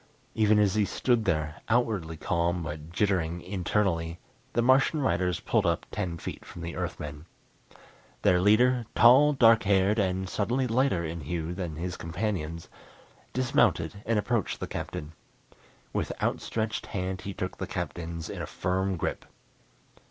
Even as he stood there, outwardly calm but jittering internally, the Martian riders pulled up ten feet from the Earthmen. Their leader, tall, dark haired, and subtly lighter in hue than his companions, dismounted and approached the Captain. With outstretched hand he took the Captain's in a firm grip.